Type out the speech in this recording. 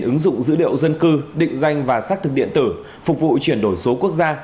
ứng dụng dữ liệu dân cư định danh và xác thực điện tử phục vụ chuyển đổi số quốc gia